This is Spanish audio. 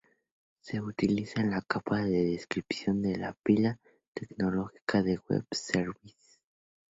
Se utiliza en la capa de descripción de la pila tecnológica de Web Services.